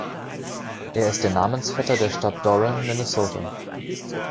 Er ist der Namensvetter der Stadt Doran, Minnesota.